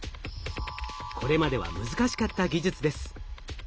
これまでは難しかった技術です。